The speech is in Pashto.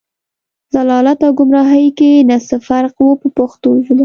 ضلالت او ګمراهۍ کې نه څه فرق و په پښتو ژبه.